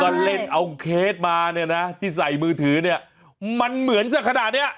ก็เล่นเอาเคสมาเนี่ยนะที่ใส่มือถือเนี่ยมันเหมือนสักขนาดเนี้ย